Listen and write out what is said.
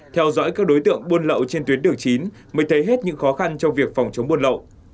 theo dõi các đối tượng buôn lậu trên tuyến đường chín mới thấy hết những khó khăn trong việc phòng chống buôn lậu